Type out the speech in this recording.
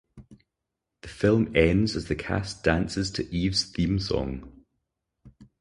The film ends as the cast dances to Eve's theme song.